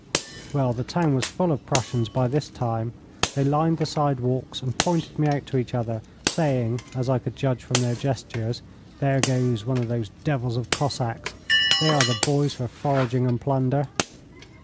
Well, the town was full of Prussians by this time. They lined the side walks and pointed me out to each other, saying, as I could judge from their gestures, 'There goes one of those devils of Cossacks. They are the boys for foraging and plunder.'